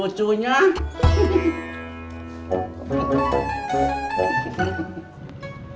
penglaris penglaris penglaris